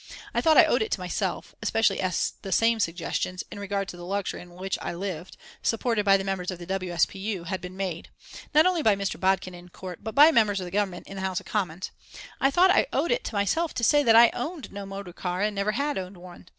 I thought I owed it to myself, especially as the same suggestions in regard to the luxury in which I lived, supported by the members of the W. S. P. U. had been made, not only by Mr. Bodkin in court, but by members of the Government in the House of Commons I thought I owed it to myself to say that I owned no motor car and never had owned one.